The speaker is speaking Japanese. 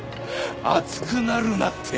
熱くなるなって。